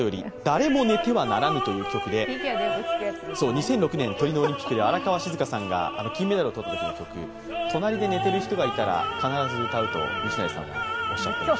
２００６年、トリノオリンピックで荒川静香さんが金メダルを取ったときの曲、隣で寝ている人がいたら必ず歌うと西成さんはおっしゃっています。